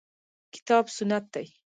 کتاب سنت دي.